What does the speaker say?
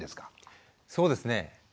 そうですね。